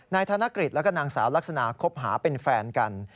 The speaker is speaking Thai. ธนกฤษแล้วก็นางสาวลักษณะคบหาเป็นแฟนกัน